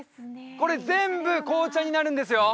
これ全部紅茶になるんですよ